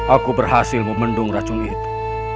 aku berhasil memendung racun itu